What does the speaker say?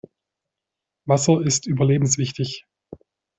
Wasser ist überlebenswichtig.